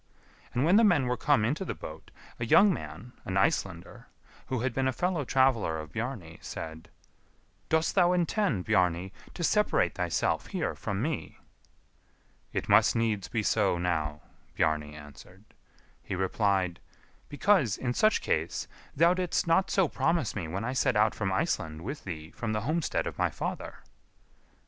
And when the men were come into the boat, a young man, an Icelander, who had been a fellow traveller of Bjarni, said, "Dost thou intend, Bjarni, to separate thyself here from me." "It must needs be so now," Bjarni answered. He replied, "Because, in such case, thou didst not so promise me when I set out from Iceland with thee from the homestead of my father."